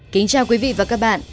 kính chào quý vị và các bạn